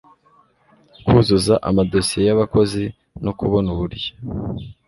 kuzuza amadosiye y abakozi no kubona uburyo